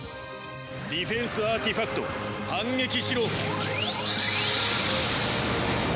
ディフェンスアーティファクト反撃しろ。